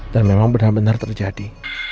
dan memang bener bener terjadi